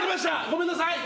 ごめんなさい。